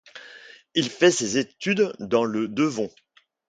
Il fait ses études dans le Devon.